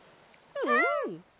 うん！